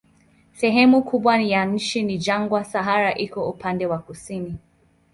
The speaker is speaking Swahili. Sehemu kubwa ya nchi ni jangwa, Sahara iko upande wa kusini.